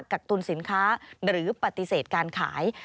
กักตุลสินค้าหรือปฏิเสธการขาย